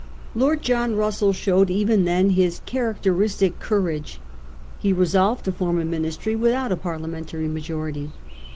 Lord John Russell showed, even then, his characteristic courage. He resolved to form a Min istry without a Parliamentary majority.